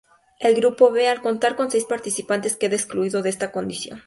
El grupo B, al contar con seis participantes queda excluido de esta condición.